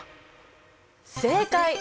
正解！